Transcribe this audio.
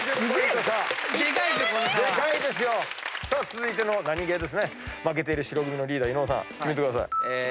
続いてのナニゲー負けている白組のリーダー伊野尾さん決めてください。